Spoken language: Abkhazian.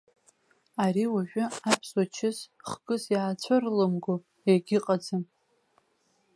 Ари уажәы аԥсуа чыс хкыс иаацәырлымго егьыҟаӡам.